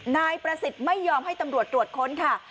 นายประสิทธิ์ไม่ยอมให้ตำรวจตรวจค้นค่ะ